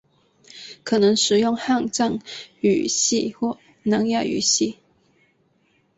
可能使用汉藏语系或南亚语系。